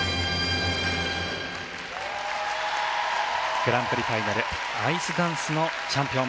グランプリファイナルアイスダンスのチャンピオン